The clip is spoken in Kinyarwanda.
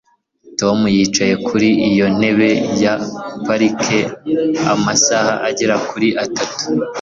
Tom yicaye kuri iyo ntebe ya parike amasaha agera kuri atatu